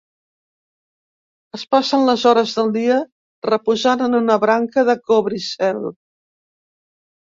Es passen les hores del dia reposant en una branca de cobricel.